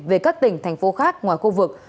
về các tỉnh thành phố khác ngoài khu vực